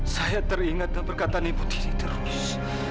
saya teringat dan berkata nipu diri terus